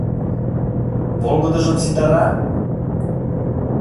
Волгыдыжым ситара?